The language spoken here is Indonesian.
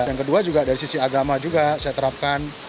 yang kedua juga dari sisi agama juga saya terapkan